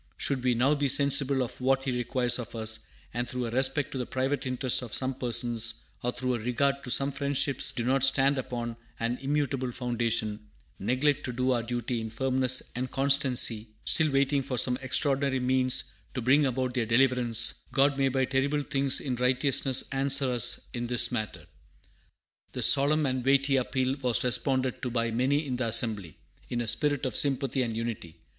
Should we now be sensible of what He requires of us, and through a respect to the private interest of some persons, or through a regard to some friendships which do not stand upon an immutable foundation, neglect to do our duty in firmness and constancy, still waiting for some extraordinary means to bring about their deliverance, God may by terrible things in righteousness answer us in this matter." This solemn and weighty appeal was responded to by many in the assembly, in a spirit of sympathy and unity.